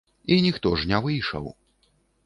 І ніхто ж не выйшаў.